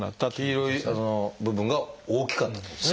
黄色い部分が大きかったってことですね。